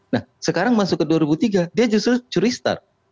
nah sekarang masuk ke dua ribu tiga dia justru curistar